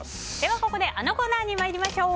ここであのコーナーに行きましょう！